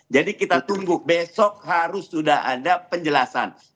jadi kita tunggu besok harus sudah ada penjelasan